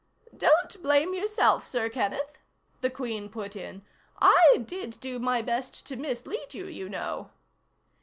"Don't blame yourself, Sir Kenneth," the Queen put in. "I did do my best to mislead you, you know."